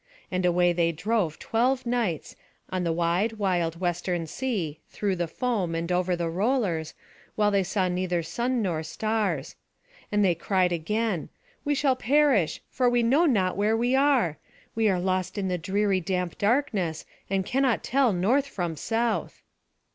And away they drove twelve nights, on the wide wild western sea, through the foam, and over the rollers, while they saw neither sun nor stars. And they cried again: "We shall perish, for we know not where we are. We are lost in the dreary damp darkness, and cannot tell north from south."